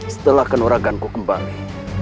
setelah khanuraganku kembali